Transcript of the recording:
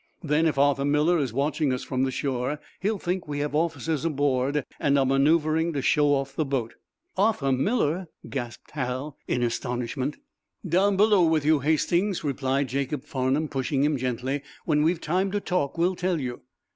Then, if Arthur Miller is watching us from the shore, he'll think we have officers aboard and are manoeuvering to show off the boat." "Arthur Miller?" gasped Hal, in astonishment. "Down below with you, Hastings," replied Jacob Farnum, pushing him gently. "When we've time to talk we'll tell you."